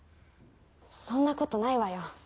そんなことないわよ。